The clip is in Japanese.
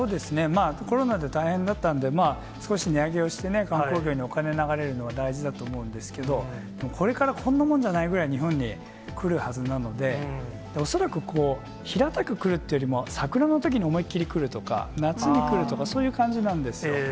コロナで大変だったんで、少し値上げをして、観光業にお金流れるのが大事だと思うんですけれども、これからこんなもんじゃないくらい日本に来るはずなので、恐らくひらたく来るっていうよりも、桜のときに思いっ切り、来るとか、夏に来るとか、そういう感じなんですよ。